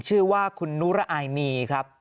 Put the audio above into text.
ชื่อว่าคุณนุระอายมีครับ